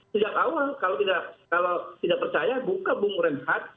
sejak awal kalau tidak percaya buka bung renhat